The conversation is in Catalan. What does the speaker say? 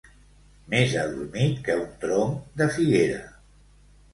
Més adormit que un tronc de figuera.